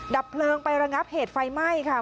ดับเพลิงไประงับเหตุไฟไหม้ค่ะ